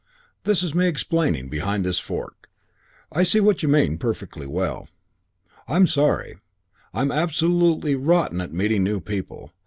This is me explaining. Behind this fork. I see what you mean. Perfectly well. I'm sorry. I'm absolutely rotten at meeting new people.